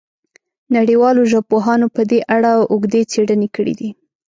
نړیوالو ژبپوهانو په دې اړه اوږدې څېړنې کړې دي.